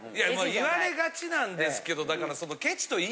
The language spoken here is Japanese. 言われがちなんですけどだからその。